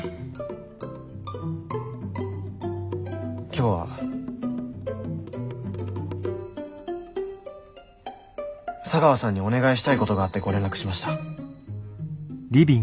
今日は茶川さんにお願いしたいことがあってご連絡しました。